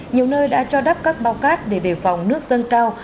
nhiều nơi đã cho đắp các bao cát để đề phòng nước dâng cao